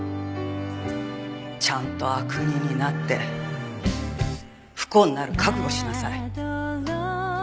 ちゃんと悪人になって不幸になる覚悟しなさい。